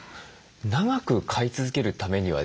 長く飼い続けるためにはですね